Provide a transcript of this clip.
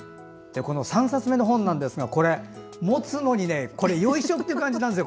３冊目の本ですが持つのに、よいしょ！という感じなんですよ。